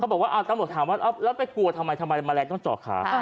เขาบอกว่าตั้งแต่ถามว่าแล้วไปกลัวทำไมทำไมมะแรงต้องเจาะขา